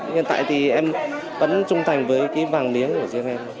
hiện tại thì em vẫn trung thành với cái vàng miếng của riêng em